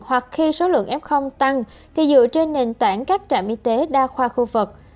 hoặc khi số lượng f tăng thì dựa trên nền tảng các trạm y tế đa khoa khu vực